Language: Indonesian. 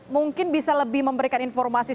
mungkin bisa lebih memberikan informasi